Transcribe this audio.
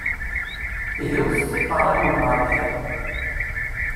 Ihi wwtet iqeṛṛa-nwen ɣer lḥiḍ!